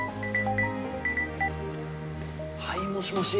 はいもしもし。